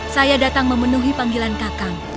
saya datang memenuhi panggilan kakang